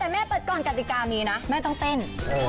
แต่แม่เปิดก่อนกติกามีนะแม่ต้องเต้น